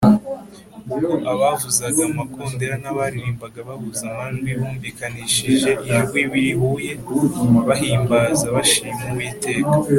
“ubwo abavuzaga amakondera n’abaririmbaga bahuza amajwi, bumvikanishije ijwi rihuye bahimbaza bashima uwiteka,